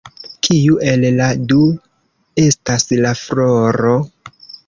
Kiu el la du estas la floro?